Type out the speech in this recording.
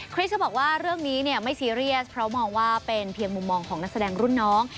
ริสก็บอกว่าเรื่องนี้ไม่ซีเรียสเพราะมองว่าเป็นเพียงมุมมองของนักแสดงรุ่นน้อง